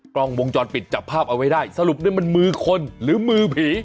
กล้องวงจรปิดจับภาพเอาไว้ได้สรุปนี่มันมือคนหรือมือผี